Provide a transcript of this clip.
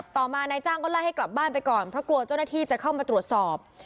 ต่อมานายจ้างก็ไล่ให้กลับบ้านไปก่อนเพราะกลัวเจ้าหน้าที่จะเข้ามาตรวจสอบ